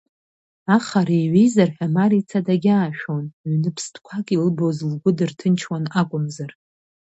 Ахара иҩеизар ҳәа Марица дагьаашәон, ҩны ԥстәқәак илбоз лгәы дырҭынчуан акәымзар.